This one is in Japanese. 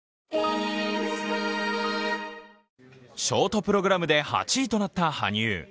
ショートプログラムで８位となった羽生。